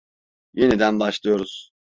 Yeniden başlıyoruz.